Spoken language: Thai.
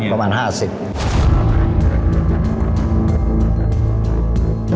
ประมาณ๕๐ล้าน